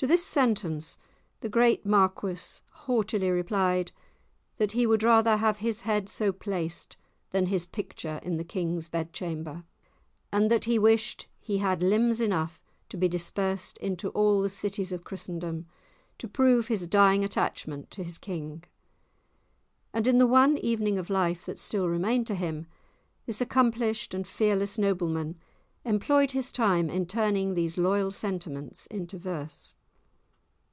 To this sentence the great Marquis haughtily replied that he would rather have his head so placed than his picture in the King's bedchamber, and that he wished he had limbs enough to be dispersed into all the cities of Christendom, to prove his dying attachment to his king. And in the one evening of life that still remained to him, this accomplished and fearless nobleman employed his time in turning these loyal sentiments into verse.